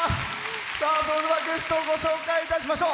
それではゲストをご紹介しましょう。